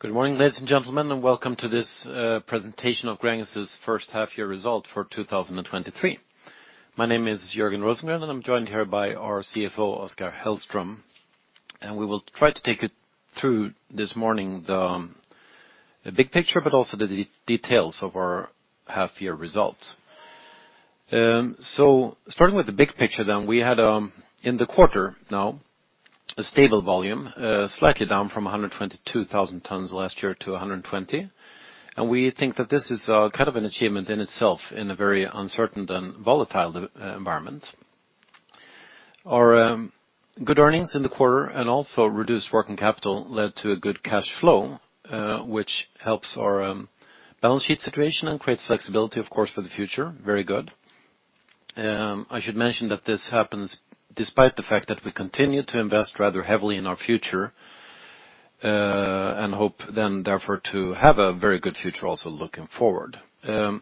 Good morning, ladies and gentlemen, and welcome to this presentation of Gränges' first half-year result for 2023. My name is Jörgen Rosengren. I'm joined here by our CFO, Oskar Hellström. We will try to take you through this morning the big picture, but also the details of our half-year results. Starting with the big picture, then we had in the quarter, now, a stable volume, slightly down from 122,000 tons last year to 120,000 tons. We think that this is kind of an achievement in itself in a very uncertain and volatile environment. Our good earnings in the quarter and also reduced working capital led to a good cash flow, which helps our balance sheet situation and creates flexibility, of course, for the future. Very good. I should mention that this happens despite the fact that we continue to invest rather heavily in our future, and hope, therefore, to have a very good future also looking forward.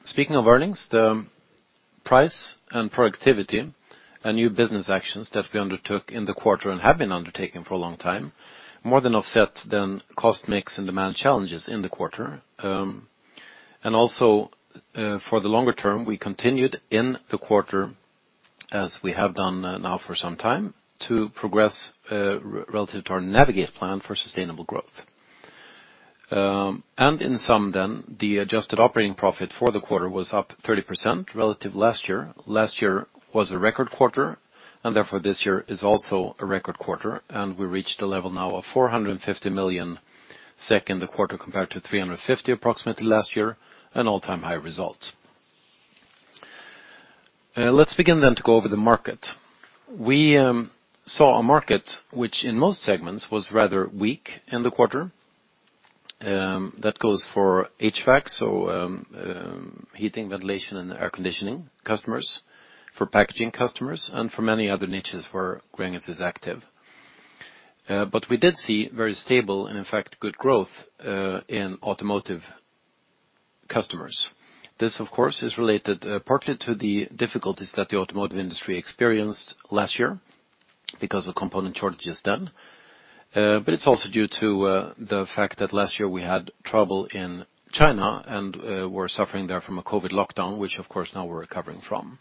Speaking of earnings, the price and productivity and new business actions that we undertook in the quarter and have been undertaking for a long time, more than offset cost mix and demand challenges in the quarter. For the longer term, we continued in the quarter, as we have done now for some time, to progress relative to our Navigate Plan for sustainable growth. In sum, the adjusted operating profit for the quarter was up 30% relative last year. Last year was a record quarter. Therefore, this year is also a record quarter, and we reached a level now of 450 million SEK the quarter, compared to 350 approximately last year, an all-time high result. Let's begin then to go over the market. We saw a market which in most segments was rather weak in the quarter. That goes for HVAC, so heating, ventilation, and air conditioning customers, for packaging customers, and for many other niches where Gränges is active. We did see very stable and in fact, good growth, in automotive customers. This, of course, is related partly to the difficulties that the automotive industry experienced last year because of component shortages then. It's also due to the fact that last year we had trouble in China and were suffering there from a COVID lockdown, which of course, now we're recovering from.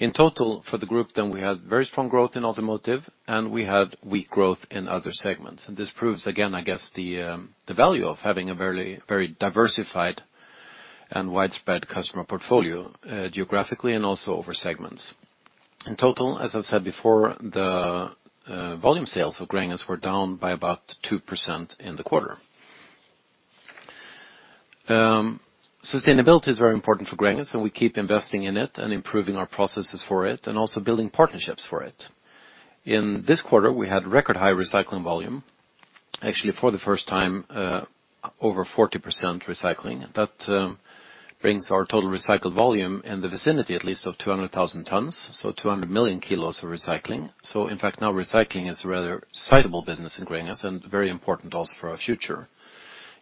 In total, for the group, we had very strong growth in automotive, and we had weak growth in other segments. This proves, again, I guess, the value of having a very, very diversified and widespread customer portfolio, geographically and also over segments. In total, as I've said before, the volume sales of Gränges were down by about 2% in the quarter. Sustainability is very important for Gränges, and we keep investing in it and improving our processes for it and also building partnerships for it. In this quarter, we had record high recycling volume, actually, for the first time, over 40% recycling. That brings our total recycled volume in the vicinity, at least of 200,000 tons, so 200 million kilos for recycling. In fact, now recycling is a rather sizable business in Gränges and very important also for our future.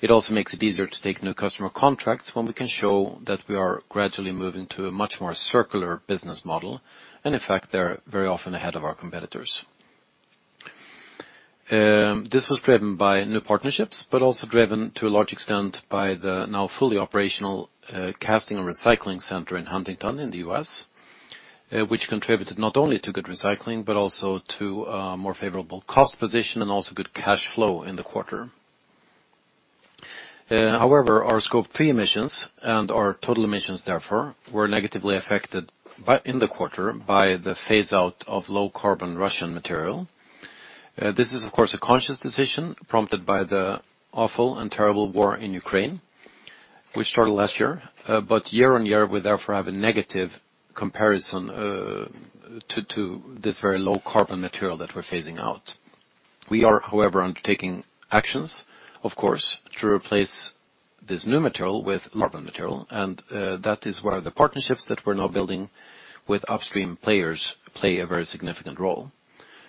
It also makes it easier to take new customer contracts when we can show that we are gradually moving to a much more circular business model, and in fact, they're very often ahead of our competitors. This was driven by new partnerships, but also driven to a large extent by the now fully operational casting and recycling center in Huntington, in the U.S., which contributed not only to good recycling, but also to a more favorable cost position and also good cash flow in the quarter. However, our Scope 3 emissions and our total emissions, therefore, were negatively affected in the quarter by the phase out of low-carbon Russian material. This is, of course, a conscious decision prompted by the awful and terrible war in Ukraine, which started last year. Year-on-year, we therefore have a negative comparison to this very low carbon material that we're phasing out. We are, however, undertaking actions, of course, to replace this new material with carbon material, and that is where the partnerships that we're now building with upstream players play a very significant role.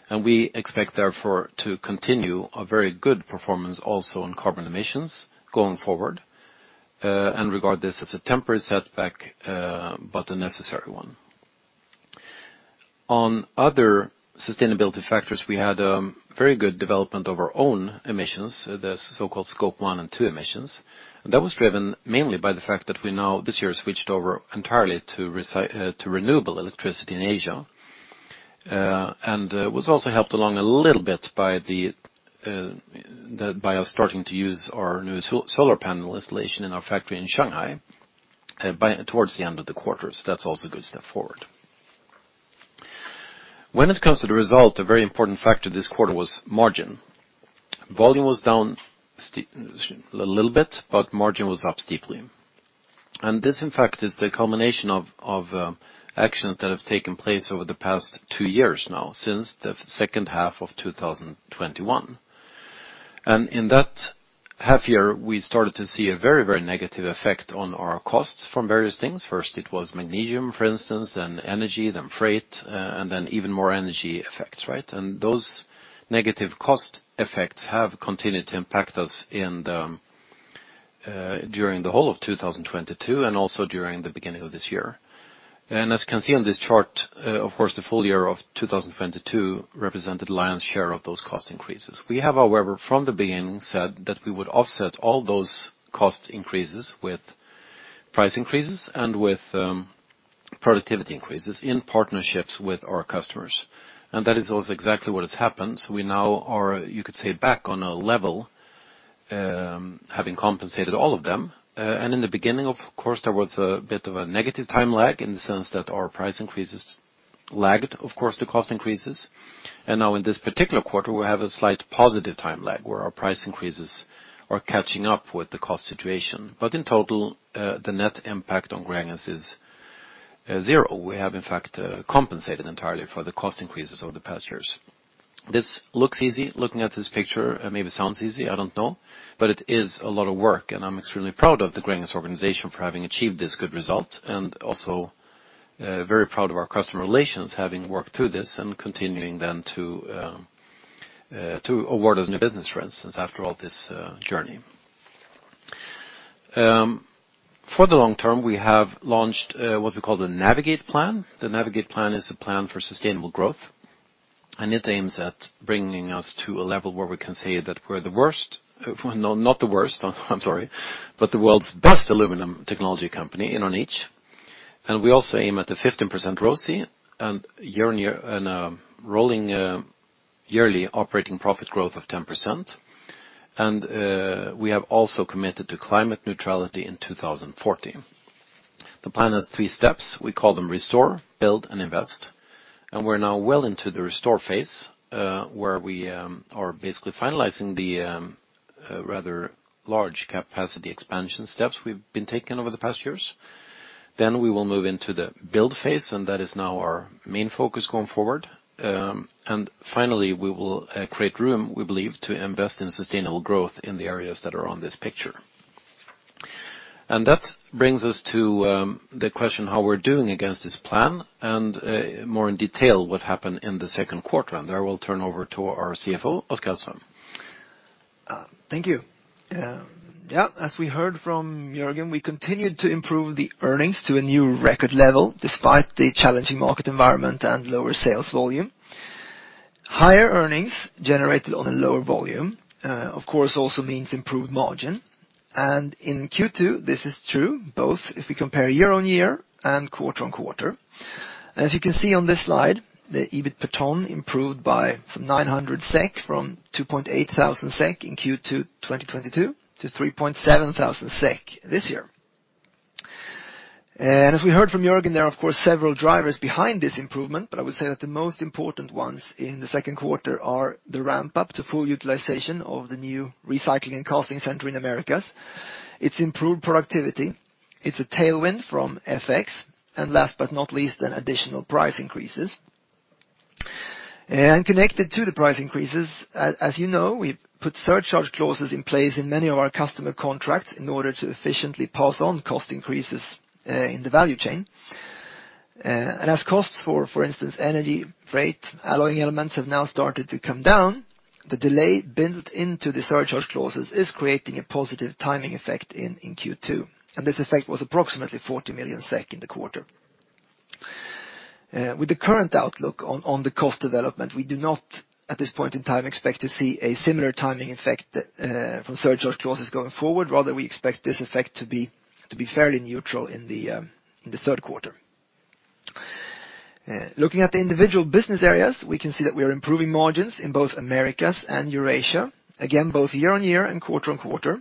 We expect, therefore, to continue a very good performance also on carbon emissions going forward, and regard this as a temporary setback, but a necessary one. On other sustainability factors, we had a very good development of our own emissions, the so-called Scope 1 and 2 emissions. That was driven mainly by the fact that we now, this year, switched over entirely to renewable electricity in Asia, and was also helped along a little bit by us starting to use our new solar panel installation in our factory in Shanghai towards the end of the quarter. That's also a good step forward. When it comes to the result, a very important factor this quarter was margin. Volume was down a little bit, but margin was up steeply. This, in fact, is the culmination of actions that have taken place over the past two years now, since the second half of 2021. In that half year, we started to see a very, very negative effect on our costs from various things. First, it was magnesium, for instance, then energy, then freight, and then even more energy effects, right? Those negative cost effects have continued to impact us in the during the whole of 2022, and also during the beginning of this year. As you can see on this chart, of course, the full year of 2022 represented lion's share of those cost increases. We have, however, from the beginning, said that we would offset all those cost increases with price increases and with productivity increases in partnerships with our customers, and that is also exactly what has happened. We now are, you could say, back on a level, having compensated all of them. In the beginning, of course, there was a bit of a negative time lag, in the sense that our price increases lagged, of course, the cost increases. Now in this particular quarter, we have a slight positive time lag, where our price increases are catching up with the cost situation. In total, the net impact on Gränges is zero. We have, in fact, compensated entirely for the cost increases over the past years. This looks easy, looking at this picture, maybe sounds easy, I don't know, but it is a lot of work, I'm extremely proud of the Gränges organization for having achieved this good result, also, very proud of our customer relations, having worked through this and continuing then to award us new business, for instance, after all this journey. For the long term, we have launched what we call the Navigate plan. The Navigate plan is a plan for sustainable growth, and it aims at bringing us to a level where we can say that we're the world's best aluminum technology company in our niche. We also aim at a 15% ROCE, and year-on-year. And rolling yearly operating profit growth of 10%. We have also committed to climate neutrality in 2040. The plan has three steps. We call them restore, build, and invest. We're now well into the restore phase, where we are basically finalizing the rather large capacity expansion steps we've been taking over the past years. We will move into the build phase. That is now our main focus going forward. Finally, we will create room, we believe, to invest in sustainable growth in the areas that are on this picture. That brings us to the question, how we're doing against this plan, and more in detail, what happened in the second quarter. There, I will turn over to our CFO, Oskar Hellström. Thank you. Yeah, as we heard from Jörgen Rosengren, we continued to improve the earnings to a new record level, despite the challenging market environment and lower sales volume. Higher earnings generated on a lower volume, of course, also means improved margin. In Q2, this is true, both if we compare year-on-year and quarter-on-quarter. As you can see on this slide, the EBIT per ton improved by some 900 SEK, from 2,800 SEK in Q2 2022 to 3,700 SEK this year. As we heard from Jörgen Rosengren, there are, of course, several drivers behind this improvement, but I would say that the most important ones in the second quarter are the ramp-up to full utilization of the new recycling and casting center in Gränges Americas. It's improved productivity, it's a tailwind from FX, and last but not least, an additional price increases. Connected to the price increases, as you know, we've put surcharge clauses in place in many of our customer contracts in order to efficiently pass on cost increases in the value chain. As costs for instance, energy, freight, alloying elements have now started to come down, the delay built into the surcharge clauses is creating a positive timing effect in Q2, and this effect was approximately 40 million SEK in the quarter. With the current outlook on the cost development, we do not, at this point in time, expect to see a similar timing effect from surcharge clauses going forward. Rather, we expect this effect to be fairly neutral in the third quarter. Looking at the individual business areas, we can see that we are improving margins in both Americas and Eurasia, again, both year-on-year and quarter-on-quarter.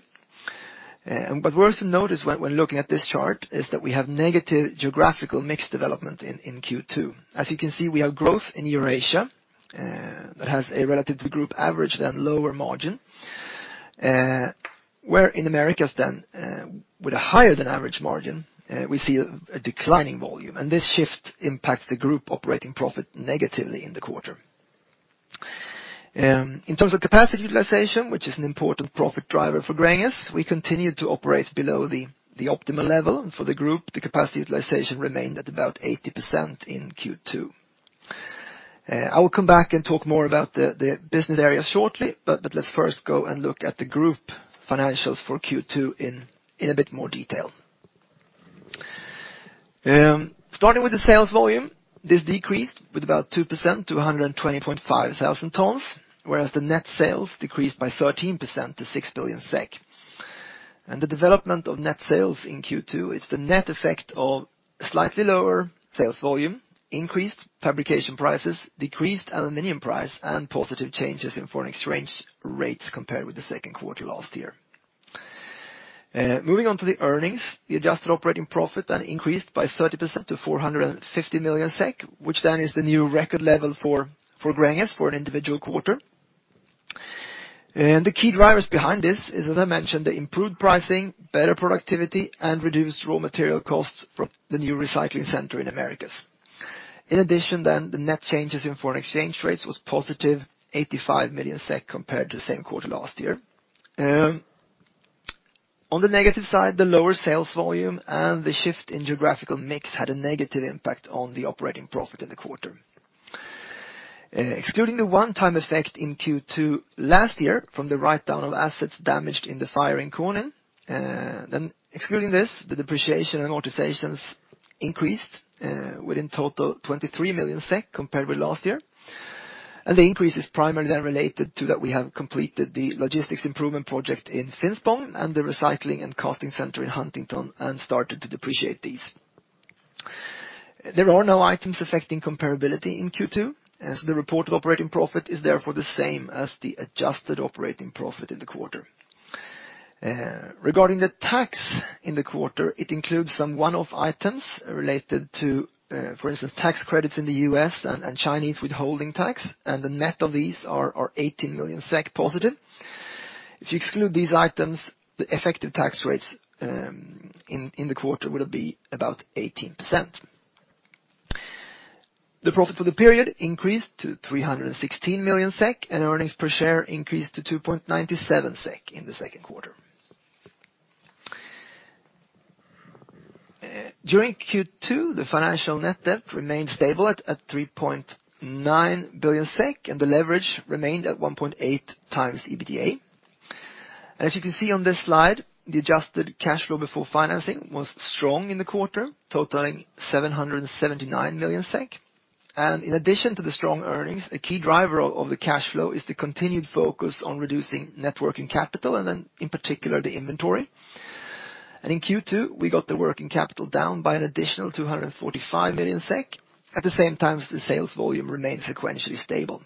What we also notice when looking at this chart is that we have negative geographical mix development in Q2. As you can see, we have growth in Eurasia, that has a relative to group average, then lower margin. Where in Americas then, with a higher than average margin, we see a declining volume, this shift impacts the group operating profit negatively in the quarter. In terms of capacity utilization, which is an important profit driver for Gränges, we continued to operate below the optimal level. For the group, the capacity utilization remained at about 80% in Q2. I will come back and talk more about the business area shortly, let's first go and look at the group financials for Q2 in a bit more detail. Starting with the sales volume, this decreased with about 2% to 120.5 thousand tons, whereas the net sales decreased by 13% to 6 billion SEK. The development of net sales in Q2, it's the net effect of slightly lower sales volume, increased fabrication prices, decreased aluminum price, and positive changes in foreign exchange rates compared with the second quarter last year. Moving on to the earnings, the adjusted operating profit then increased by 30% to 450 million SEK, which then is the new record level for Gränges for an individual quarter. The key drivers behind this is, as I mentioned, the improved pricing, better productivity, and reduced raw material costs from the new recycling center in Americas. In addition, then, the net changes in foreign exchange rates was positive, 85 million SEK compared to the same quarter last year. On the negative side, the lower sales volume and the shift in geographical mix had a negative impact on the operating profit in the quarter. Excluding the one-time effect in Q2 last year from the write-down of assets damaged in the fire in Konin, then excluding this, the depreciation and amortizations increased, within total 23 million SEK compared with last year. The increase is primarily related to that we have completed the logistics improvement project in Finspång, and the recycling and casting center in Huntington, and started to depreciate these. There are no items affecting comparability in Q2, as the reported operating profit is therefore the same as the adjusted operating profit in the quarter. Regarding the tax in the quarter, it includes some one-off items related to, for instance, tax credits in the U.S. and Chinese withholding tax. And the net of these are 18 million SEK positive. If you exclude these items, the effective tax rates in the quarter will be about 18%. The profit for the period increased to 316 million SEK, and earnings per share increased to 2.97 SEK in the second quarter. During Q2, the financial net debt remained stable at 3.9 billion SEK, and the leverage remained at 1.8x EBITDA. As you can see on this slide, the adjusted cash flow before financing was strong in the quarter, totaling 779 million SEK. In addition to the strong earnings, a key driver of the cash flow is the continued focus on reducing net working capital, and then, in particular, the inventory. In Q2, we got the working capital down by an additional 245 million SEK. At the same time, the sales volume remained sequentially stable.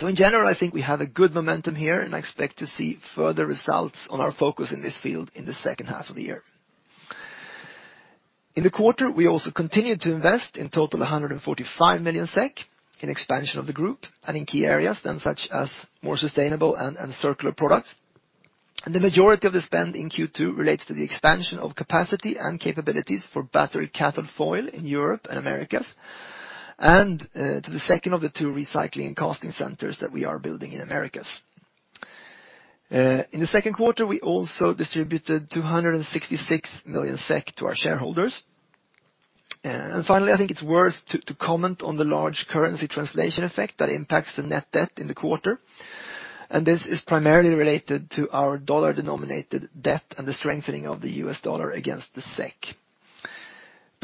In general, I think we have a good momentum here, and I expect to see further results on our focus in this field in the second half of the year. In the quarter, we also continued to invest in total 145 million SEK in expansion of the group, and in key areas, then such as more sustainable and circular products. The majority of the spend in Q2 relates to the expansion of capacity and capabilities for battery cathode foil in Europe and Americas, and to the second of the two recycling and casting centers that we are building in Americas. In the second quarter, we also distributed 266 million SEK to our shareholders. Finally, I think it's worth to comment on the large currency translation effect that impacts the net debt in the quarter, and this is primarily related to our dollar-denominated debt and the strengthening of the U.S. dollar against the SEK.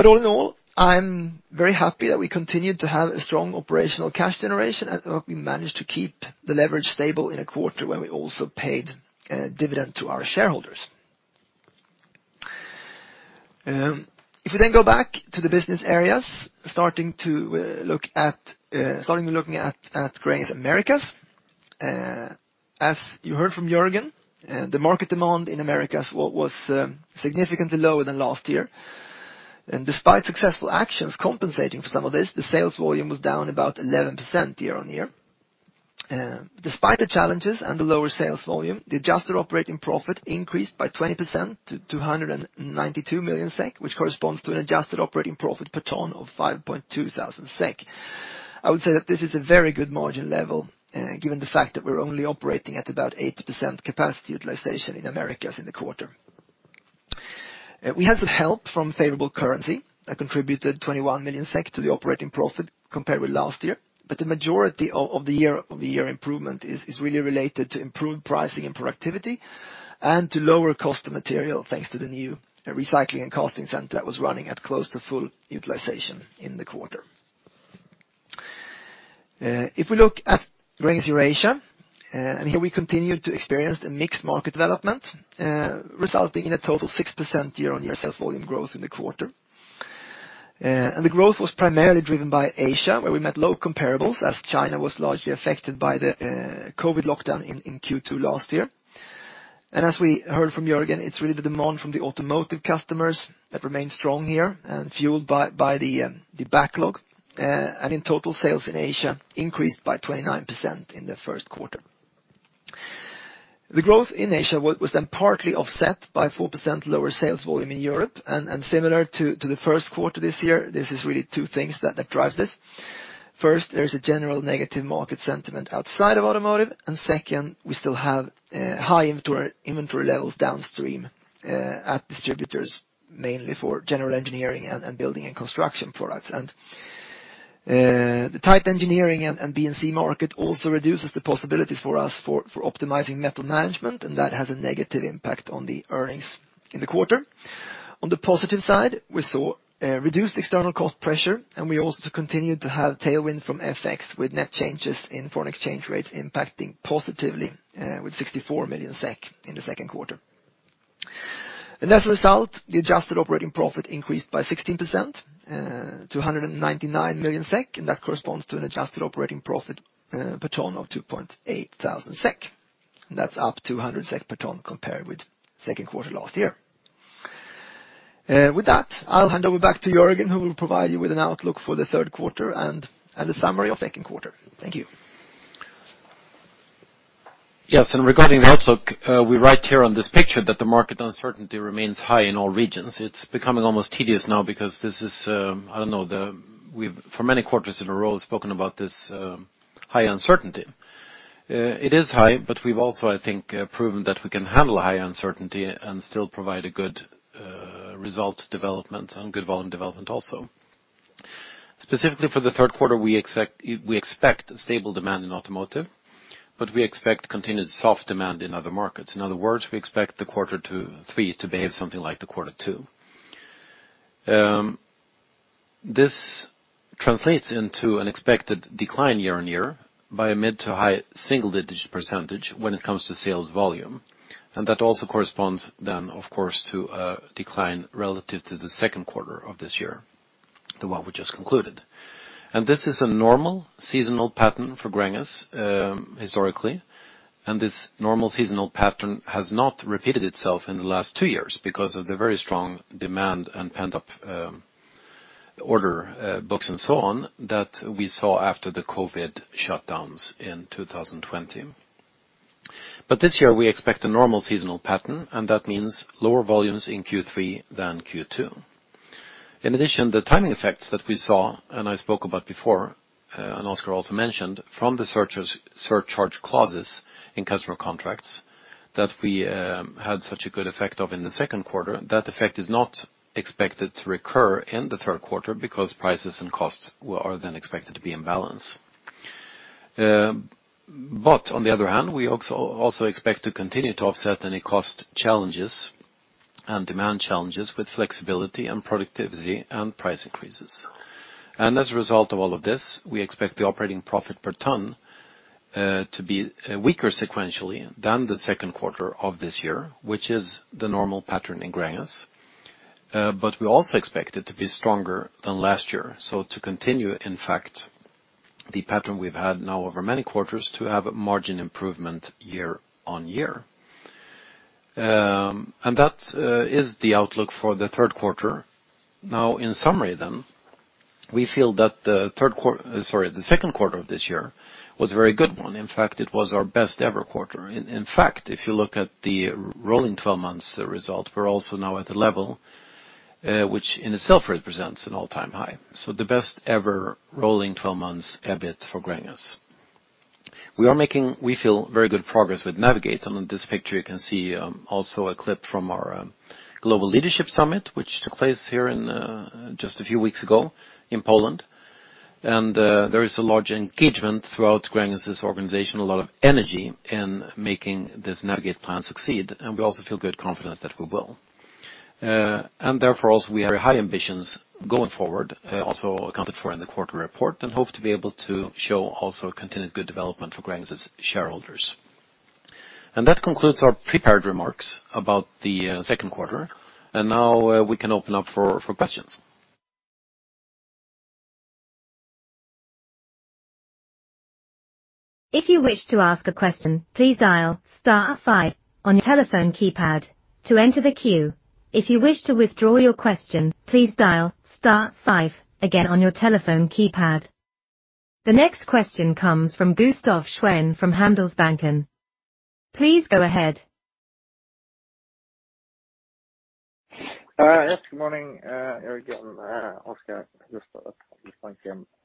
All in all, I'm very happy that we continued to have a strong operational cash generation, and we managed to keep the leverage stable in a quarter where we also paid dividend to our shareholders. If you then go back to the business areas, looking at Gränges Americas, as you heard from Jörgen, the market demand in Americas was significantly lower than last year. Despite successful actions compensating for some of this, the sales volume was down about 11% year-on-year. Despite the challenges and the lower sales volume, the adjusted operating profit increased by 20% to 292 million SEK, which corresponds to an adjusted operating profit per ton of 5,200 SEK. I would say that this is a very good margin level, given the fact that we're only operating at about 80% capacity utilization in Americas in the quarter. We had some help from favorable currency that contributed 21 million SEK to the operating profit compared with last year. The majority of the year improvement is really related to improved pricing and productivity, and to lower cost of material, thanks to the new recycling and casting center that was running at close to full utilization in the quarter. If we look at Gränges Eurasia, here we continued to experience the mixed market development, resulting in a total 6% year-on-year sales volume growth in the quarter. The growth was primarily driven by Asia, where we met low comparables, as China was largely affected by the COVID lockdown in Q2 last year. As we heard from Jörgen, it's really the demand from the automotive customers that remained strong here and fueled by the backlog. In total, sales in Asia increased by 29% in the first quarter. The growth in Asia was then partly offset by 4% lower sales volume in Europe, and similar to the first quarter this year, this is really two things that drives this. First, there is a general negative market sentiment outside of automotive, and second, we still have high inventory levels downstream at distributors, mainly for general engineering and Building and Construction products. The tight engineering and B&C market also reduces the possibilities for us for optimizing metal management, and that has a negative impact on the earnings in the quarter. On the positive side, we saw reduced external cost pressure, and we also continued to have tailwind from FX, with net changes in foreign exchange rates impacting positively with 64 million SEK in the second quarter. As a result, the adjusted operating profit increased by 16% to 199 million SEK, and that corresponds to an adjusted operating profit per ton of 2.8 thousand SEK. That's up to SEK 100 per ton compared with second quarter last year. With that, I'll hand over back to Jörgen, who will provide you with an outlook for the third quarter and a summary of the second quarter. Thank you. Regarding the outlook, we write here on this picture that the market uncertainty remains high in all regions. It's becoming almost tedious now because this is, I don't know, we've, for many quarters in a row, spoken about this high uncertainty. It is high, but we've also, I think, proven that we can handle high uncertainty and still provide a good result development and good volume development also. Specifically for the third quarter, we expect stable demand in automotive, but we expect continued soft demand in other markets. In other words, we expect the quarter three to behave something like the quarter two. This translates into an expected decline year-on-year by a mid- to high-single-digit % when it comes to sales volume, and that also corresponds then, of course, to a decline relative to the second quarter of this year, the one we just concluded. This is a normal seasonal pattern for Gränges, historically, and this normal seasonal pattern has not repeated itself in the last two years because of the very strong demand and pent-up order books and so on, that we saw after the COVID shutdowns in 2020. This year, we expect a normal seasonal pattern, and that means lower volumes in Q3 than Q2. In addition, the timing effects that we saw, and I spoke about before, and Oskar also mentioned, from the surcharge clauses in customer contracts, that we had such a good effect of in the 2Q. That effect is not expected to recur in the 3Q because prices and costs are then expected to be in balance. On the other hand, we also expect to continue to offset any cost challenges and demand challenges with flexibility and productivity and price increases. As a result of all of this, we expect the operating profit per ton to be weaker sequentially than the 2Q of this year, which is the normal pattern in Gränges. We also expect it to be stronger than last year. To continue, in fact, the pattern we've had now over many quarters, to have a margin improvement year-on-year. That is the outlook for the third quarter. In summary, we feel that the second quarter of this year was a very good one. In fact, it was our best-ever quarter. In fact, if you look at the rolling 12 months result, we're also now at a level which in itself represents an all-time high. the best ever rolling 12 months EBIT for Gränges. We are making, we feel, very good progress with Navigate. on this picture, you can see also a clip from our Global Leadership Summit, which took place here in just a few weeks ago in Poland. There is a large engagement throughout Gränges' organization, a lot of energy in making this Navigate plan succeed, and we also feel good confidence that we will. Therefore, also, we have very high ambitions going forward, also accounted for in the quarter report, and hope to be able to show also continued good development for Gränges' shareholders. That concludes our prepared remarks about the second quarter. Now, we can open up for questions. If you wish to ask a question, please dial star five on your telephone keypad to enter the queue. If you wish to withdraw your question, please dial star five again on your telephone keypad. The next question comes from Gustaf Schwerin from Handelsbanken. Please go ahead. Yes, good morning, again, Oskar, Gustaf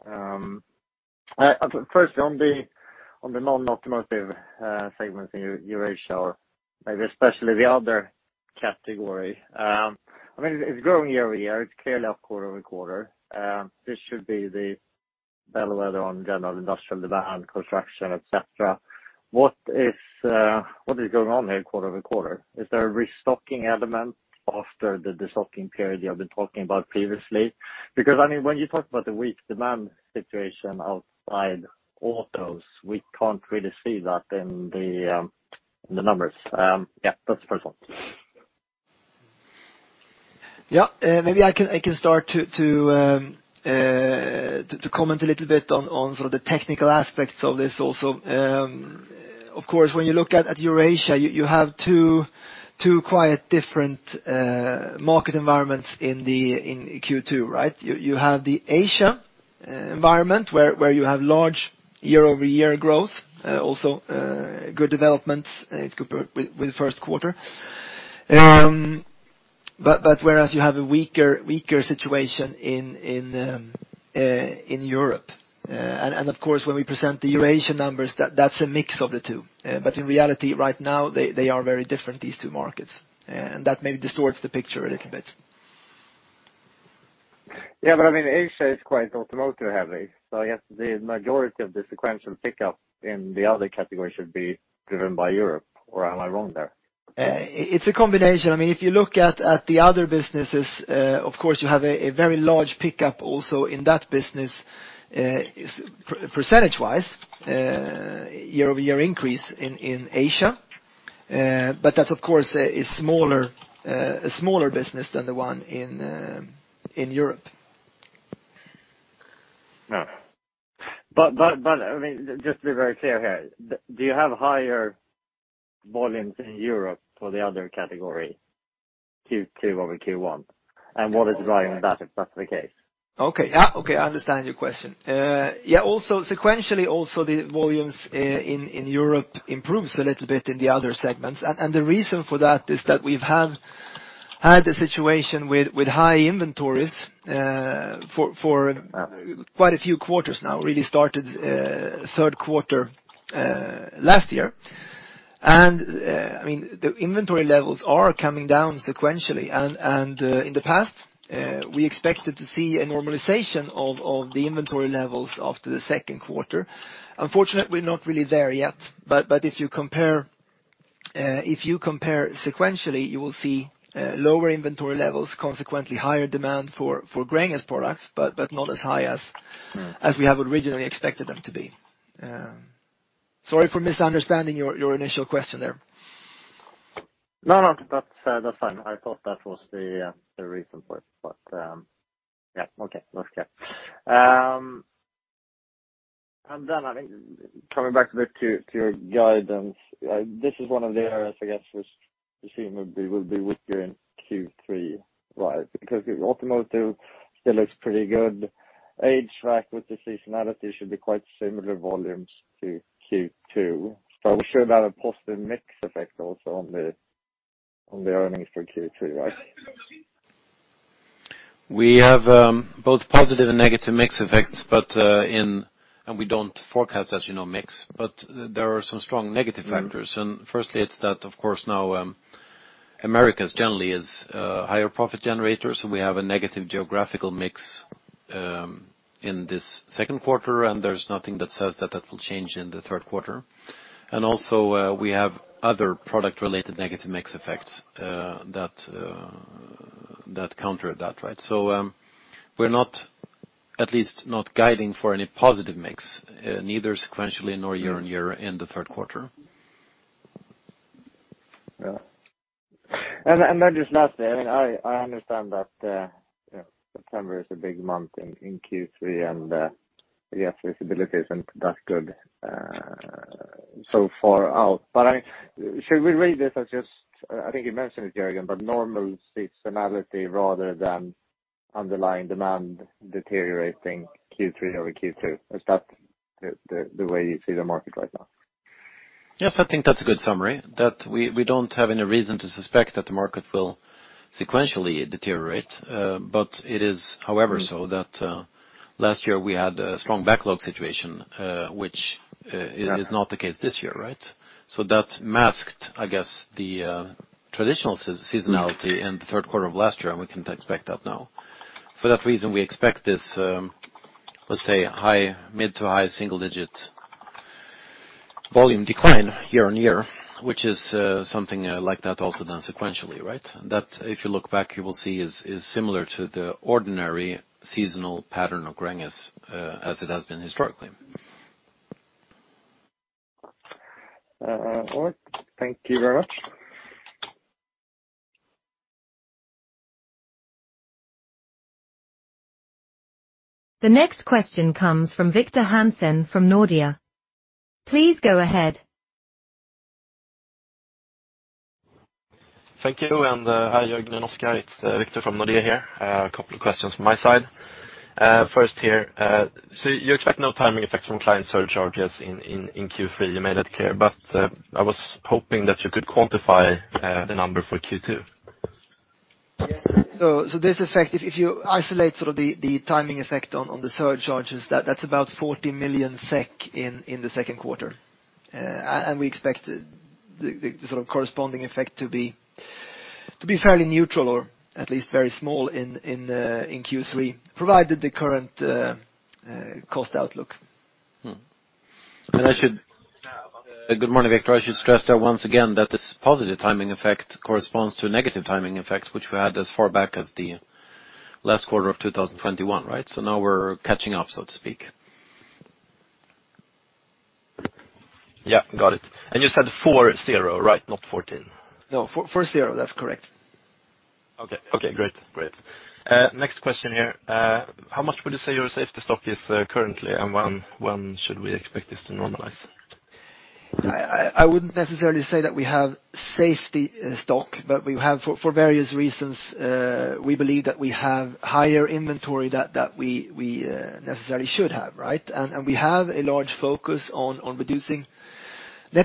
Schwerin. Firstly, on the non-automotive segment in Eurasia, maybe especially the other category. I mean, it's growing year-over-year, it's clearly up quarter-over-quarter. This should be the better weather on general industrial demand, construction, et cetera. What is going on here quarter-over-quarter? Is there a restocking element after the de-stocking period you have been talking about previously? I mean, when you talk about the weak demand situation outside autos, we can't really see that in the numbers. Yeah, that's the first one. Maybe I can start to comment a little bit on sort of the technical aspects of this also. Of course, when you look at Eurasia, you have two quite different market environments in Q2, right? You have the Asia environment, where you have large year-over-year growth, also, good development if you compare with the first quarter. Whereas you have a weaker situation in Europe, and of course, when we present the Eurasian numbers, that's a mix of the two. In reality, right now, they are very different, these two markets, and that maybe distorts the picture a little bit. I mean, Asia is quite automotive-heavy, so I guess the majority of the sequential pickup in the other category should be driven by Europe, or am I wrong there? It's a combination. I mean, if you look at the other businesses, of course, you have a very large pickup also in that business, percentage-wise, year-over-year increase in Asia. That, of course, is smaller, a smaller business than the one in Europe. Yeah. I mean, just to be very clear here, do you have higher volumes in Europe for the other category, Q2 over Q1? What is driving that, if that's the case? Okay. Yeah, okay, I understand your question. Yeah, also sequentially, also, the volumes, in Europe improves a little bit in the other segments. The reason for that is that we've had-. Had a situation with high inventories for quite a few quarters now, really started third quarter last year. I mean, the inventory levels are coming down sequentially, and in the past, we expected to see a normalization of the inventory levels after the second quarter. Unfortunately, we're not really there yet, but if you compare, if you compare sequentially, you will see lower inventory levels, consequently higher demand for Gränges products, but not as high as we have originally expected them to be. Sorry for misunderstanding your initial question there. No, no, that's fine. I thought that was the reason for it, yeah, okay. That's clear. I think, coming back a bit to your guidance, this is one of the areas, I guess, which presumably will be weaker in Q3, right? Because the automotive still looks pretty good. HVAC with the seasonality should be quite similar volumes to Q2. I'm sure that a positive mix effect also on the, on the earnings for Q3, right? We have both positive and negative mix effects, but we don't forecast, as you know, mix, but there are some strong negative factors. Firstly, it's that of course now, Americas generally is higher profit generators, and we have a negative geographical mix in this second quarter, and there's nothing that says that will change in the third quarter. Also, we have other product-related negative mix effects that counter that, right? We're not, at least, not guiding for any positive mix, neither sequentially nor year-on-year in the third quarter. Yeah. Then just lastly, I understand that, yeah, September is a big month in Q3, and yes, visibility isn't that good so far out. Should we read this as just, I think you mentioned it, Jörgen, but normal seasonality rather than underlying demand deteriorating Q3 over Q2. Is that the way you see the market right now? Yes, I think that's a good summary, that we don't have any reason to suspect that the market will sequentially deteriorate. It is, however, so that last year we had a strong backlog situation, which, Is not the case this year, right? That masked, I guess, the traditional seasonality in the third quarter of last year, and we can expect that now. For that reason, we expect this, let's say, high, mid to high single digit volume decline year-on-year, which is something like that also done sequentially, right? If you look back, you will see is similar to the ordinary seasonal pattern of Gränges as it has been historically. All right. Thank you very much. The next question comes from Linus Alentun from Nordea. Please go ahead. Thank you, hi, Jörgen and Oskar. It's Victor from Nordea here. A couple of questions from my side. First here, you expect no timing effects from client surcharges in Q3. You made that clear, I was hoping that you could quantify the number for Q2. This effect, if you isolate sort of the timing effect on the surcharges, that's about 40 million SEK in the second quarter. We expect the sort of corresponding effect to be fairly neutral or at least very small in Q3, provided the current cost outlook. Good morning, Victor. I should stress there once again that this positive timing effect corresponds to a negative timing effect, which we had as far back as the last quarter of 2021, right? Now we're catching up, so to speak. Yeah, got it. You said 40, right? Not 14. No, 440. That's correct. Okay. Okay, great. Great. Next question here. How much would you say your safety stock is, currently, and when should we expect this to normalize? I wouldn't necessarily say that we have safety stock, but we have for various reasons, we believe that we have higher inventory that we necessarily should have, right? We have a large focus on reducing net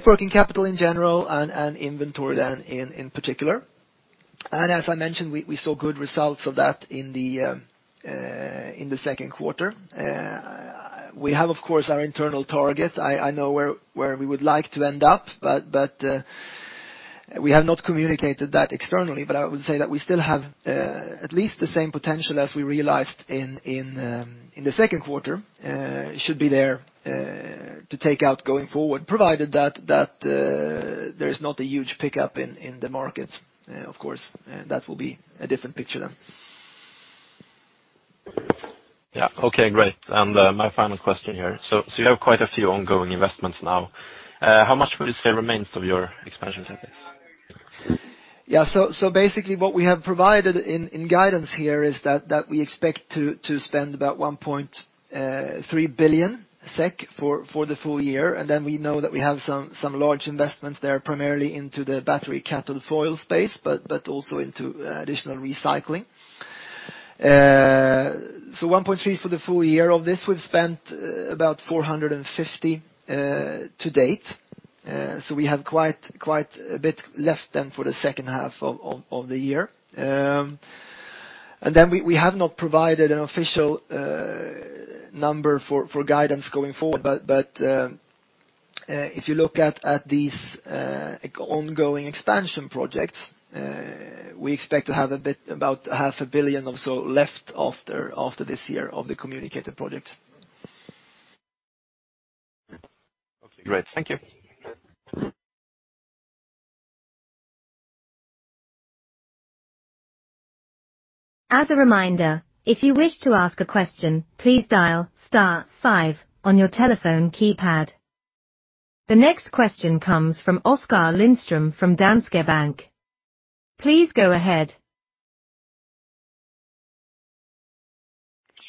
working capital in general and inventory then in particular. As I mentioned, we saw good results of that in the second quarter. We have, of course, our internal target. I know where we would like to end up, but we have not communicated that externally, but I would say that we still have at least the same potential as we realized in the second quarter. Should be there, to take out going forward, provided that there is not a huge pickup in the market. Of course, that will be a different picture then. Yeah. Okay, great. My final question here: You have quite a few ongoing investments now. How much would you say remains of your expansion centers? Basically what we have provided in guidance here is that we expect to spend about 1.3 billion SEK for the full year. We know that we have some large investments there, primarily into the battery cathode foil space, but also into additional recycling. 1.3 billion for the full year. Of this, we've spent about 450 million to date. We have quite a bit left then for the second half of the year. We have not provided an official number for guidance going forward. If you look at these ongoing expansion projects, we expect to have a bit about a half a billion SEK or so left after this year of the communicated projects. Okay, great. Thank you. As a reminder, if you wish to ask a question, please dial star five on your telephone keypad. The next question comes from Oskar Lindström from Danske Bank. Please go ahead.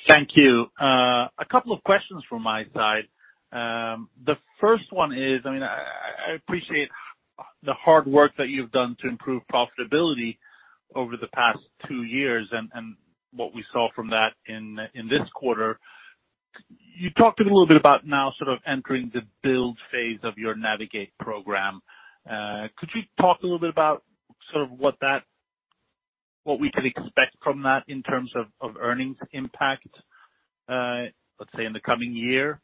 Thank you. A couple of questions from my side. The first one is, I mean, I appreciate the hard work that you've done to improve profitability over the past 2 years and what we saw from that in this quarter. You talked a little bit about now sort of entering the build phase of your Navigate program. Could you talk a little bit about sort of what we can expect from that in terms of earnings impact, let's say, in the coming year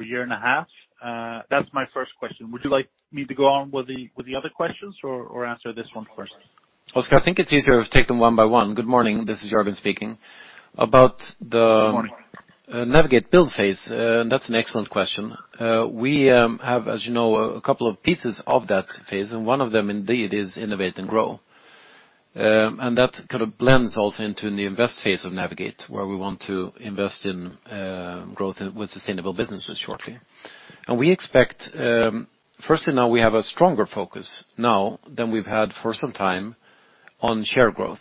or year and a half? That's my first question. Would you like me to go on with the other questions or answer this one first? Oskar, I think it's easier to take them one by one. Good morning. This is Jörgen speaking. Good morning. Navigate build phase, that's an excellent question. We, as you know, a couple of pieces of that phase, and one of them, indeed, is innovate and grow. That kind of blends also into the invest phase of Navigate, where we want to invest in growth with sustainable businesses shortly. We expect, Firstly, now we have a stronger focus now than we've had for some time on share growth.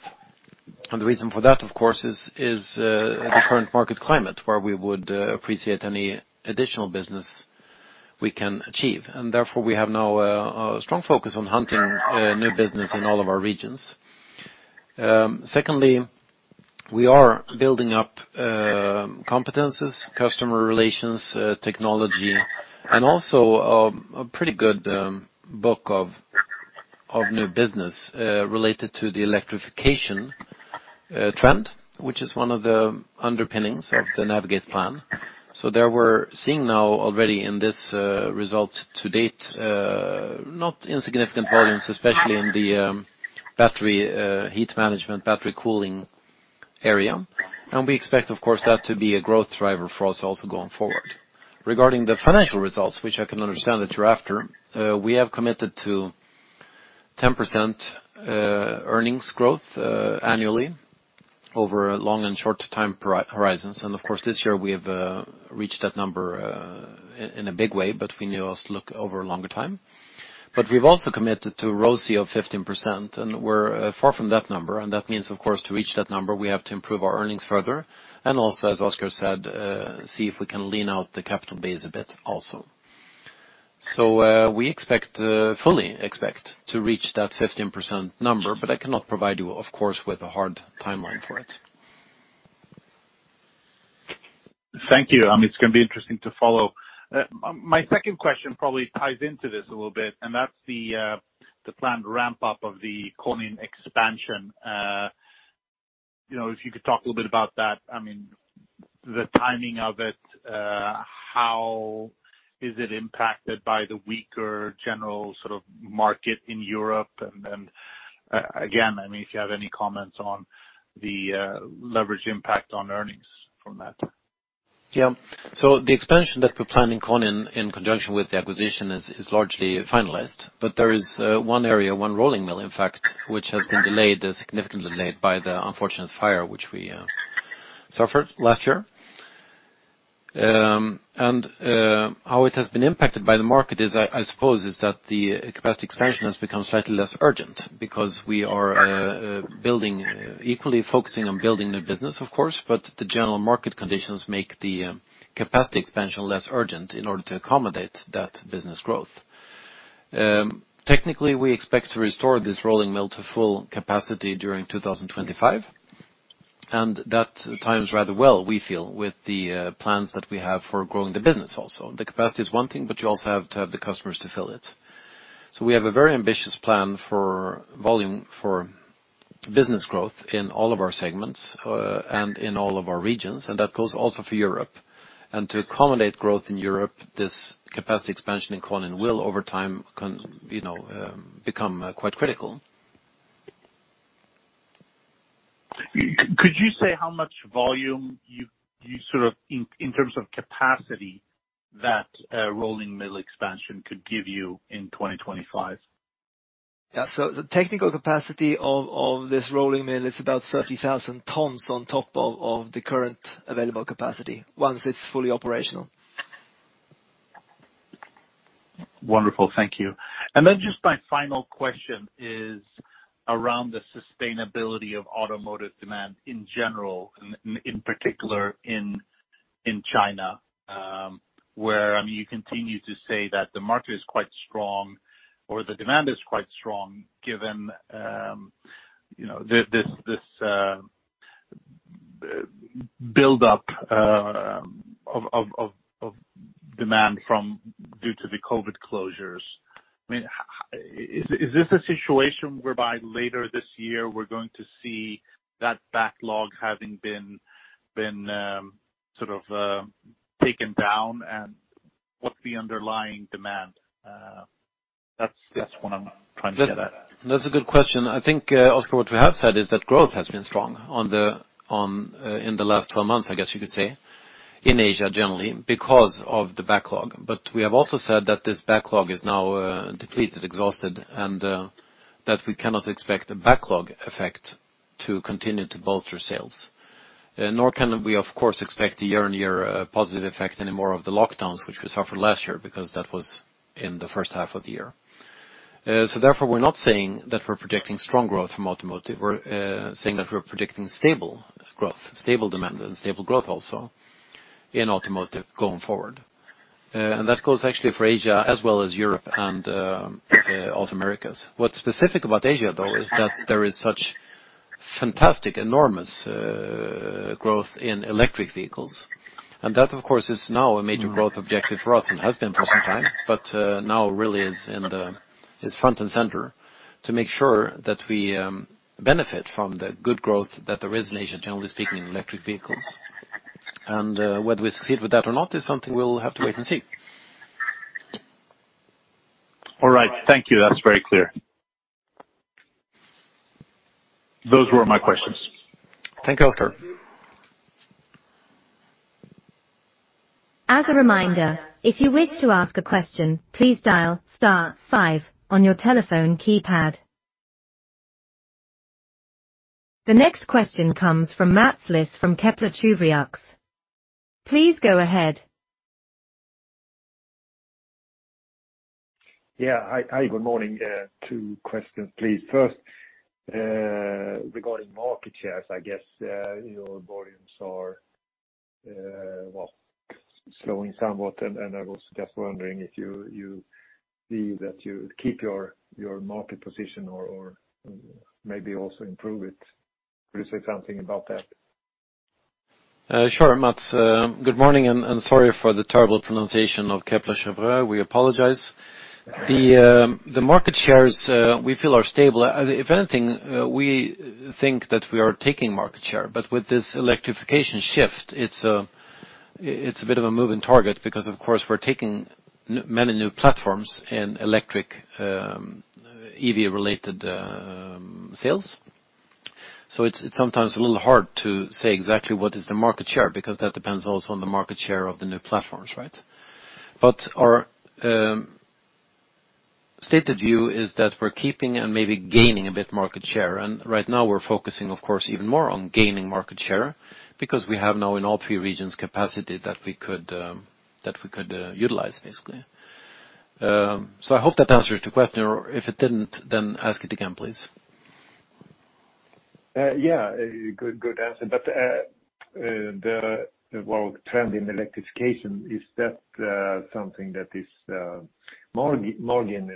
The reason for that, of course, is the current market climate, where we would appreciate any additional business we can achieve. Therefore, we have now a strong focus on hunting new business in all of our regions. Secondly, we are building up competencies, customer relations, technology, and also a pretty good book of new business related to the electrification trend, which is one of the underpinnings of the Navigate plan. There we're seeing now already in this result to date, not insignificant volumes, especially in the battery heat management, battery cooling area. We expect, of course, that to be a growth driver for us also going forward. Regarding the financial results, which I can understand that you're after, we have committed to 10% earnings growth annually over long and short time horizons. Of course, this year we have reached that number in a big way, but we need to also look over a longer time. We've also committed to a ROCE of 15%, and we're far from that number. That means, of course, to reach that number, we have to improve our earnings further, and also, as Oskar said, see if we can lean out the capital base a bit also. We expect, fully expect to reach that 15% number, but I cannot provide you, of course, with a hard timeline for it. Thank you. It's going to be interesting to follow. My second question probably ties into this a little bit, and that's the planned ramp-up of the Konin expansion. You know, if you could talk a little bit about that, I mean, the timing of it, how is it impacted by the weaker general sort of market in Europe? Then, again, I mean, if you have any comments on the leverage impact on earnings from that. The expansion that we're planning Konin in conjunction with the acquisition is largely finalist. There is one area, one rolling mill, in fact, which has been delayed, significantly delayed by the unfortunate fire which we suffered last year. How it has been impacted by the market is I suppose is that the capacity expansion has become slightly less urgent because we are building, equally focusing on building new business, of course, but the general market conditions make the capacity expansion less urgent in order to accommodate that business growth. Technically, we expect to restore this rolling mill to full capacity during 2025, and that times rather well, we feel, with the plans that we have for growing the business also. The capacity is one thing, but you also have to have the customers to fill it. We have a very ambitious plan for volume, for business growth in all of our segments, and in all of our regions, and that goes also for Europe. To accommodate growth in Europe, this capacity expansion in Konin will, over time, you know, become quite critical. Could you say how much volume you sort of, in terms of capacity, that, rolling mill expansion could give you in 2025? The technical capacity of this rolling mill is about 30,000 tons on top of the current available capacity once it's fully operational. Wonderful. Thank you. Then just my final question is around the sustainability of automotive demand in general, and in particular in China. Where, I mean, you continue to say that the market is quite strong or the demand is quite strong, given, you know, this buildup of demand from due to the COVID closures. I mean, is this a situation whereby later this year we're going to see that backlog having been sort of taken down, and what's the underlying demand? That's what I'm trying to get at. That's a good question. I think, Oskar, what we have said is that growth has been strong on the in the last 12 months, I guess you could say, in Asia generally, because of the backlog. We have also said that this backlog is now depleted, exhausted, and that we cannot expect a backlog effect to continue to bolster sales. Nor can we, of course, expect a year-on-year positive effect anymore of the lockdowns, which we suffered last year, because that was in the first half of the year. Therefore, we're not saying that we're predicting strong growth from automotive. We're saying that we're predicting stable growth, stable demand, and stable growth also in automotive going forward. That goes actually for Asia as well as Europe and, also Americas. What's specific about Asia, though, is that there is such fantastic, enormous growth in electric vehicles. That, of course, is now a major growth objective for us and has been for some time, but now really is front and center to make sure that we benefit from the good growth that there is in Asia, generally speaking, in electric vehicles. Whether we succeed with that or not is something we'll have to wait and see. All right. Thank you. That's very clear. Those were my questions. Thank you, Oscar. As a reminder, if you wish to ask a question, please dial star five on your telephone keypad. The next question comes from Mats Liss from Kepler Cheuvreux. Please go ahead. Yeah. Hi, hi, good morning. Two questions, please. First, regarding market shares, I guess, your volumes are, well, slowing somewhat, and I was just wondering if you see that you keep your market position or maybe also improve it. Could you say something about that? Sure, Mats. Good morning, and sorry for the terrible pronunciation of Kepler Cheuvreux. We apologize. The market shares we feel are stable. If anything, we think that we are taking market share, but with this electrification shift, it's a bit of a moving target because, of course, we're taking many new platforms in electric, EV-related sales. It's sometimes a little hard to say exactly what is the market share, because that depends also on the market share of the new platforms, right? Our stated view is that we're keeping and maybe gaining a bit of market share, and right now we're focusing, of course, even more on gaining market share because we have now, in all three regions, capacity that we could that we could utilize, basically. I hope that answers your question, or if it didn't, then ask it again, please. Yeah, good answer. Well, trend in electrification, is that something that is margin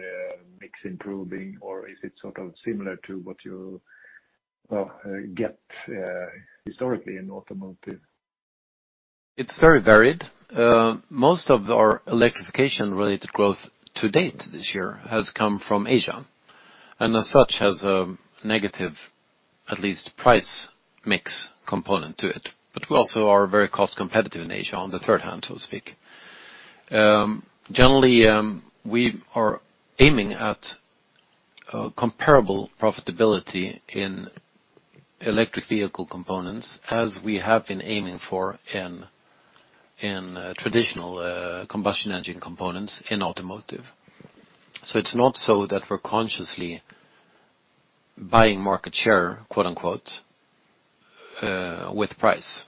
mix improving, or is it sort of similar to what you, well, get historically in automotive? It's very varied. Most of our electrification-related growth to date this year has come from Asia, and as such, has a negative, at least price mix component to it. We also are very cost competitive in Asia on the third hand, so to speak. Generally, we are aiming at comparable profitability in electric vehicle components as we have been aiming for in traditional combustion engine components in automotive. It's not so that we're consciously buying market share, quote, unquote, with price.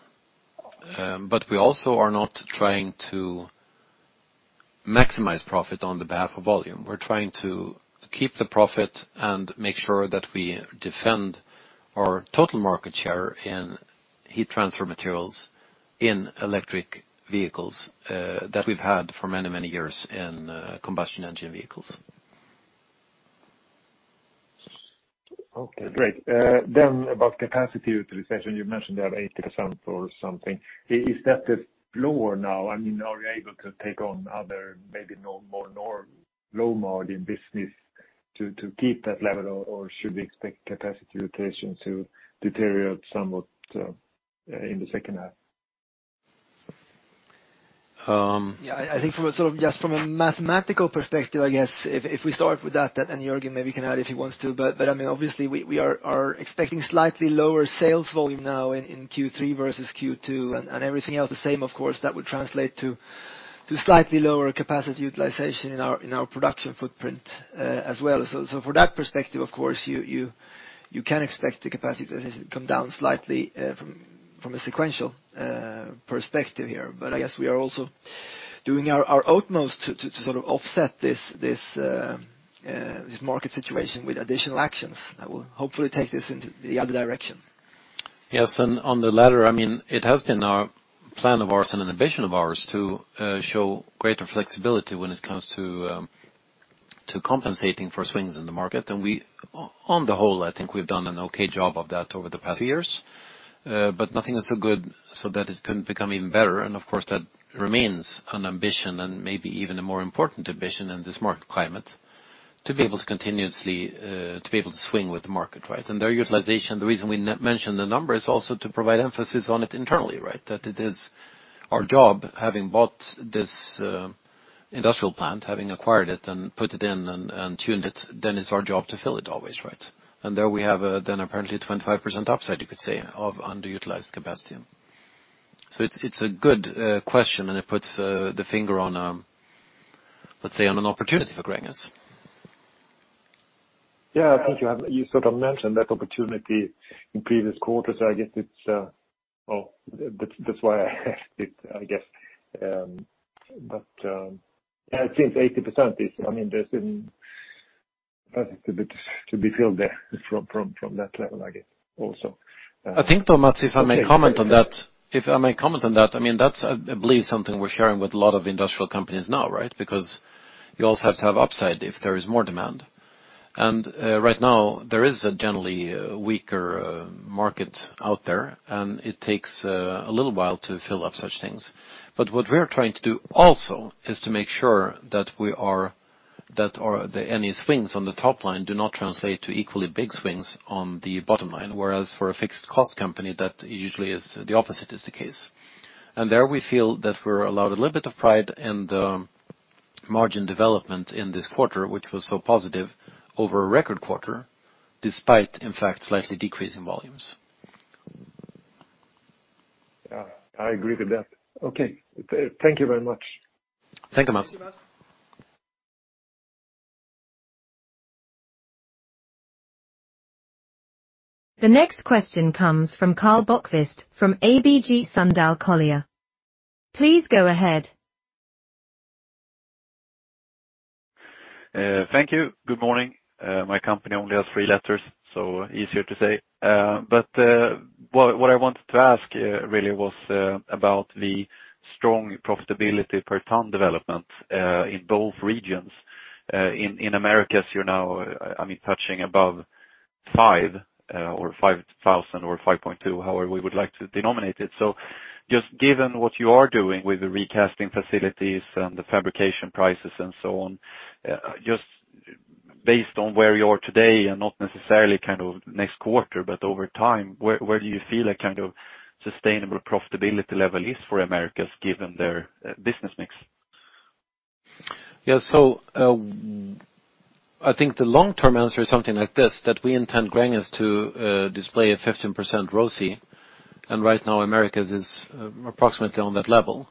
We also are not trying to maximize profit on the behalf of volume. We're trying to keep the profit and make sure that we defend our total market share in heat transfer materials in electric vehicles, that we've had for many, many years in combustion engine vehicles. Okay, great. About capacity utilization, you've mentioned you have 80% or something. Is that the lower now? I mean, are you able to take on other, maybe no more nor low margin business to keep that level, or should we expect capacity utilization to deteriorate somewhat in the second half? I think from a sort of, just from a mathematical perspective, I guess, if we start with that, and Jörgen maybe can add if he wants to. I mean, obviously, we are expecting slightly lower sales volume now in Q3 versus Q2, and everything else the same, of course, that would translate to slightly lower capacity utilization in our production footprint, as well. For that perspective, of course, you can expect the capacity to come down slightly, from a sequential perspective here. I guess we are also doing our utmost to sort of offset this market situation with additional actions that will hopefully take this into the other direction. On the latter, I mean, it has been a plan of ours and an ambition of ours to show greater flexibility when it comes to compensating for swings in the market. On the whole, I think we've done an okay job of that over the past years. Nothing is so good, so that it couldn't become even better. Of course, that remains an ambition and maybe even a more important ambition in this market climate, to be able to continuously to be able to swing with the market, right? Their utilization, the reason we mentioned the number is also to provide emphasis on it internally, right? That it is our job, having bought this industrial plant, having acquired it and put it in and tuned it, then it's our job to fill it always, right? There we have a, then apparently 25% upside, you could say, of underutilized capacity. It's a good question, and it puts the finger on, let's say, on an opportunity for Gränges. Yeah, I think you sort of mentioned that opportunity in previous quarters. I guess it's, well, that's why I asked it, I guess. Yeah, I think 80% is, I mean, there's been to be filled there from that level, I guess also. I think, Mats, if I may comment on that. If I may comment on that, I mean, that's, I believe, something we're sharing with a lot of industrial companies now, right? Because you also have to have upside if there is more demand. Right now, there is a generally weaker market out there, and it takes a little while to fill up such things. What we are trying to do also is to make sure that any swings on the top line do not translate to equally big swings on the bottom line, whereas for a fixed cost company, that usually is the opposite is the case. There we feel that we're allowed a little bit of pride in the margin development in this quarter, which was so positive over a record quarter, despite, in fact, slightly decreasing volumes. Yeah, I agree with that. Thank you very much. Thank you, Mats. The next question comes from Karl Bokvist from ABG Sundal Collier. Please go ahead. Thank you. Good morning. My company only has three letters, so easier to say. What I wanted to ask really was about the strong profitability per ton development in both regions. In Americas, you're now, I mean, touching above $5,000 or $5.2, however, we would like to denominate it. Just given what you are doing with the recasting facilities and the fabrication prices and so on, just based on where you are today and not necessarily kind of next quarter, but over time, where do you feel a kind of sustainable profitability level is for Americas, given their business mix? I think the long-term answer is something like this, that we intend Gränges to display a 15% ROCE, and right now, Americas is approximately on that level.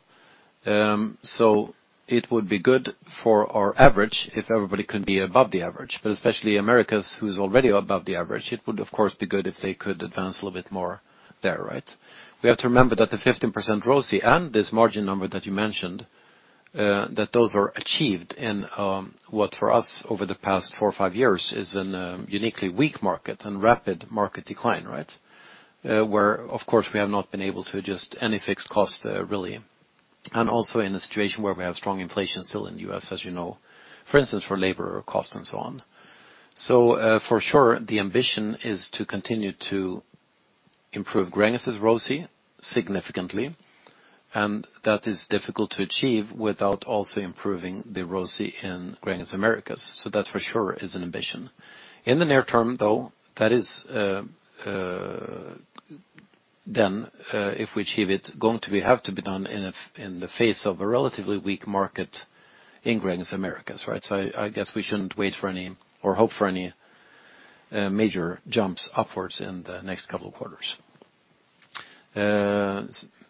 It would be good for our average if everybody could be above the average, but especially Americas, who is already above the average, it would of course, be good if they could advance a little bit more there, right? We have to remember that the 15% ROCE and this margin number that you mentioned, that those were achieved in what for us, over the past 4 or 5 years, is an uniquely weak market and rapid market decline, right? Where, of course, we have not been able to adjust any fixed cost, really, and also in a situation where we have strong inflation still in the U.S., as you know, for instance, for labor cost and so on. For sure, the ambition is to continue to improve Gränges' ROCE significantly, and that is difficult to achieve without also improving the ROCE in Gränges Americas. That, for sure, is an ambition. In the near term, though, that is, if we achieve it, have to be done in the face of a relatively weak market in Gränges Americas, right? I guess we shouldn't wait for any or hope for any major jumps upwards in the next couple of quarters.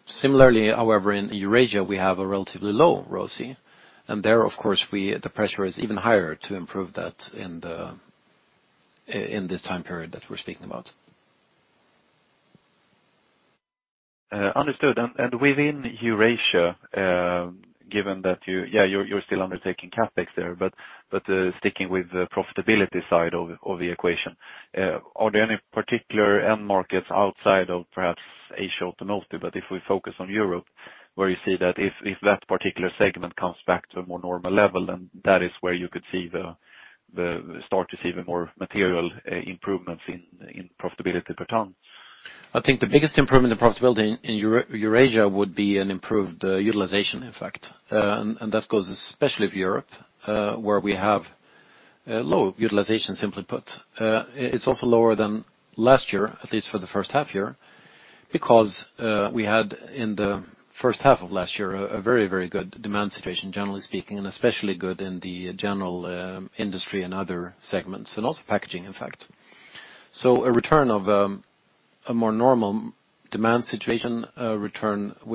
Similarly, however, in Eurasia, we have a relatively low ROCE, and there, of course, the pressure is even higher to improve that in this time period that we're speaking about. Understood. Within Eurasia, given that you're still undertaking CapEx there, but sticking with the profitability side of the equation, are there any particular end markets outside of perhaps Asia Automotive, but if we focus on Europe, where you see that if that particular segment comes back to a more normal level, then that is where you could start to see the more material improvements in profitability per ton? I think the biggest improvement in profitability in Eurasia would be an improved utilization effect. That goes especially for Europe, where we have a low utilization, simply put. It's also lower than last year, at least for the first half year, because we had in the first half of last year, a very, very good demand situation, generally speaking, and especially good in the general industry and other segments, and also packaging, in fact. A return of a more normal demand situation,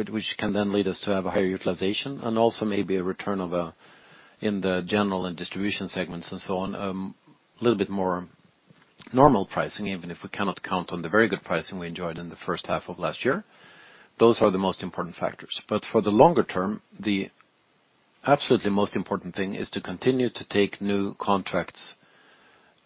which can then lead us to have a higher utilization and also maybe a return of a, in the general and distribution segments and so on, a little bit more normal pricing, even if we cannot count on the very good pricing we enjoyed in the first half of last year. Those are the most important factors. For the longer term. Absolutely most important thing is to continue to take new contracts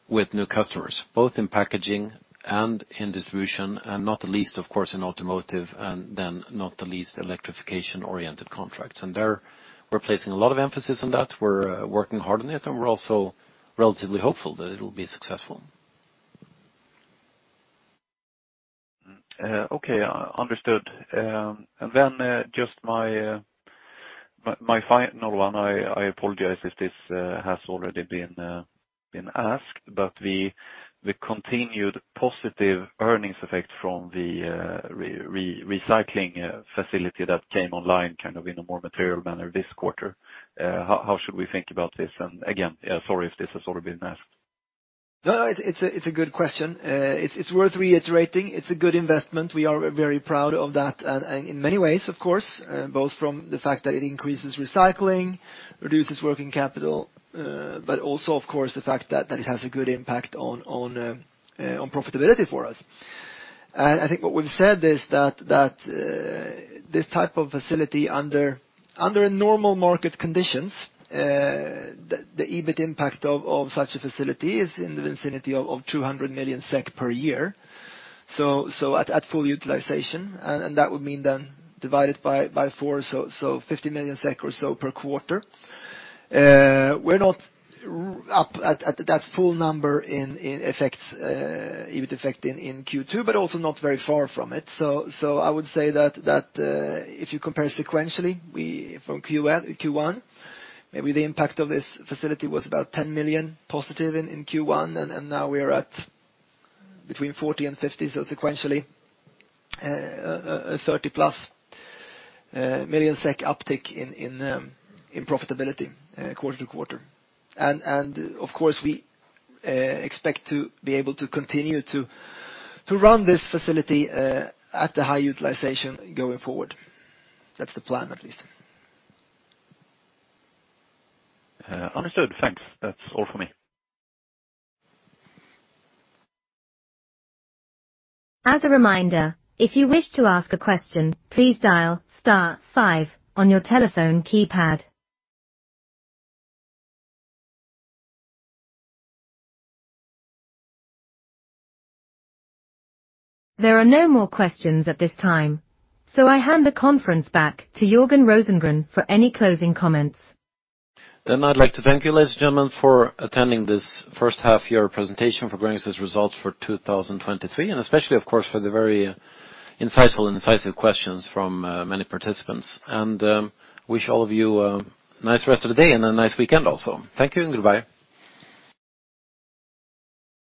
with new customers, both in packaging and in distribution, and not the least, of course, in automotive, and then not the least, electrification-oriented contracts. There, we're placing a lot of emphasis on that. We're working hard on it, and we're also relatively hopeful that it'll be successful. Okay, understood. Just my final one, I apologize if this has already been asked, but the continued positive earnings effect from the recycling facility that came online kind of in a more material manner this quarter, how should we think about this? Again, sorry, if this has already been asked. No, it's a good question. It's worth reiterating. It's a good investment. We are very proud of that, and in many ways, of course, both from the fact that it increases recycling, reduces working capital, but also, of course, the fact that it has a good impact on profitability for us. I think what we've said is that this type of facility under normal market conditions, the EBIT impact of such a facility is in the vicinity of 200 million SEK per year. At full utilization, that would mean then divided by four, 50 million SEK or so per quarter. We're not up at that full number in effects, EBIT effect in Q2, but also not very far from it. I would say that if you compare sequentially, we from Q1, maybe the impact of this facility was about 10 million positive in Q1, and now we are at between 40 million and 50 million, sequentially, a 30+ million SEK uptick in profitability quarter-to-quarter. Of course, we expect to be able to continue to run this facility at the high utilization going forward. That's the plan, at least. Understood. Thanks. That's all for me. As a reminder, if you wish to ask a question, please dial star five on your telephone keypad. There are no more questions at this time, so I hand the conference back to Jörgen Rosengren for any closing comments. I'd like to thank you, ladies and gentlemen, for attending this first half year presentation for Gränges' results for 2023, and especially, of course, for the very insightful, incisive questions from many participants. Wish all of you a nice rest of the day and a nice weekend also. Thank you, and goodbye.